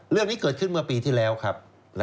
เรื่องนี้เกิดขึ้นเมื่อปีที่แล้วครับ